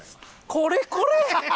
これこれ！